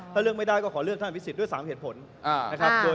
ถ้าเลือกไม่ได้ก็ขอเลือกท่านอภิษฎด้วย๓เหตุผลนะครับ